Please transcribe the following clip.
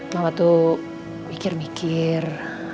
mama tuh mikir mikir